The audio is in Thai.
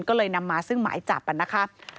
ก็เลยนำมาซึ่งหมายจับนะคะ